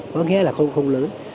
có nghĩa là không lớn